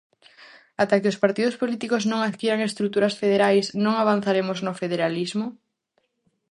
Ata que os partidos políticos non adquiran estruturas federais, non avanzaremos no federalismo?